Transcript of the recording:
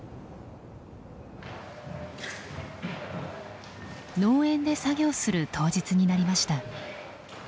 農園で作業する当日になりました。